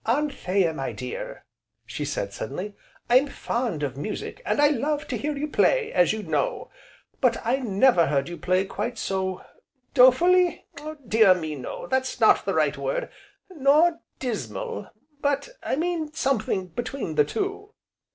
"Anthea my dear," said she suddenly, "I'm fond of music, and I love to hear you play, as you know, but I never heard you play quite so dolefully? dear me, no, that's not the right word, nor dismal, but I mean something between the two."